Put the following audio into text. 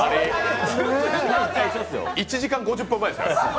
１時間５０分前ですかね。